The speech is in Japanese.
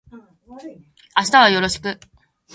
明日はよろしく